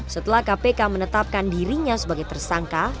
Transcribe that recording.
setelah kpk menetapkan dirinya sebagai tersangka